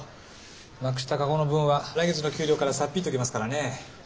なくした籠の分は来月の給料からさっ引いておきますからね。